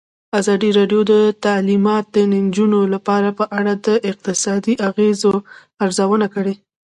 ازادي راډیو د تعلیمات د نجونو لپاره په اړه د اقتصادي اغېزو ارزونه کړې.